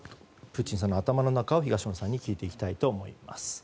プーチンさんの頭の中を東野さんに聞いていきたいと思います。